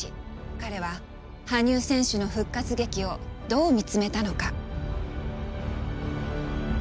彼は羽生選手の復活劇をどう見つめたのか。